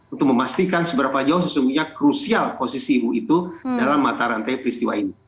untuk memastikan seberapa jauh sesungguhnya krusial posisi ibu itu dalam mata rantai peristiwa ini